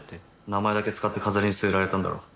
名前だけ使って飾りに据えられたんだろう。